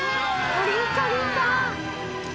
カリンカリンだ！